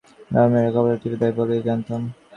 গ্রামের মেয়েরা কপালে টিপ দেয় বলেও জানতাম ন।